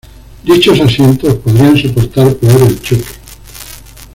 Dichos asientos podrían soportar peor el choque.